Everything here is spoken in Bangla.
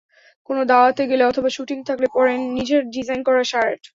কোনো দাওয়াতে গেলে অথবা শুটিং থাকলে পরেন নিজের ডিজাইন করা শার্ট।